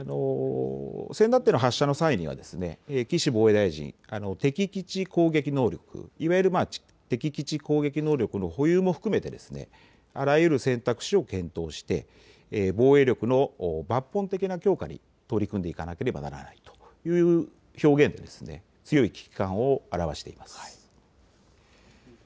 せんだっての発射の際には岸防衛大臣も敵基地攻撃能力、いわゆる敵基地攻撃能力の保有も求めてあらゆる選択肢を検討して防衛力の抜本的な強化に取り組んでいかなければならないという表現で強い危機感を表しています。